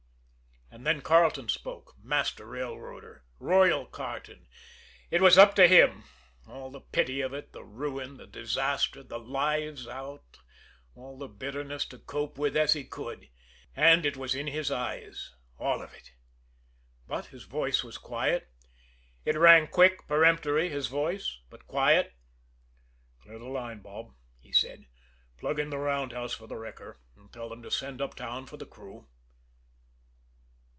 And then Carleton spoke master railroader, "Royal" Carleton, it was up to him then, all the pity of it, the ruin, the disaster, the lives out, all the bitterness to cope with as he could. And it was in his eyes, all of it. But his voice was quiet. It rang quick, peremptory, his voice but quiet. "Clear the line, Bob," he said. "Plug in the roundhouse for the wrecker and tell them to send uptown for the crew."